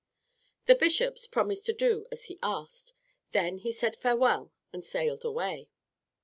The bishops promised to do as he asked. Then he said farewell and sailed away.